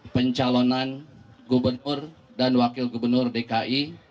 pencalonan gubernur dan wakil gubernur dki